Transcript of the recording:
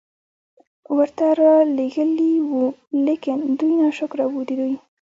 ورته را ليږلي وو، ليکن دوی ناشکره وو، د دوی